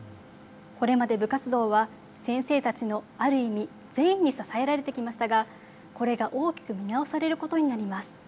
これまで部活動は先生たちのある意味、善意に支えられてきましたがこれが大きく見直されることになります。